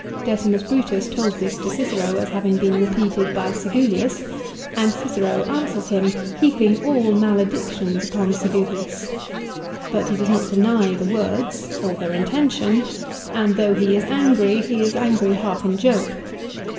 Decimus Brutus told this to Cicero as having been repeated by Sigulius, and Cicero answers him, heaping all maledictions upon Sigulius. But he does not deny the words, or their intention, and though he is angry, he is angry half in joke.